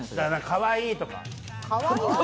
かわいいとか。